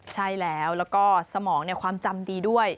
ใช่แล้วแล้วก็สมองความจำดีด้วย